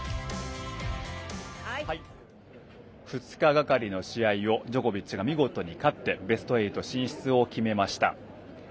２日がかりの試合をジョコビッチが見事に勝ってベスト８進出を決めました。